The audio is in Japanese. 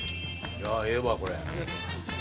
ええわこれ。